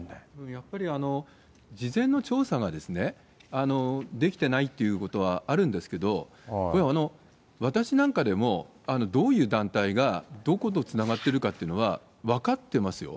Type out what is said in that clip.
やっぱり事前の調査が、できてないということはあるんですけど、これ、私なんかでも、どういう団体がどことつながってるかっていうのは分かってますよ。